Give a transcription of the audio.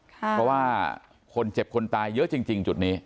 เพราะว่าคนเจ็บคนตายเยอะจริงจุดนี้